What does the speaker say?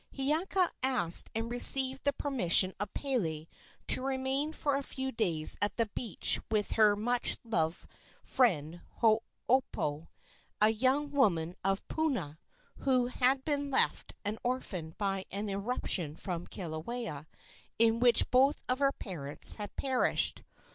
Hiiaka asked and received the permission of Pele to remain for a few days at the beach with her much loved friend Hopoe, a young woman of Puna, who had been left an orphan by an irruption from Kilauea, in which both of her parents had perished.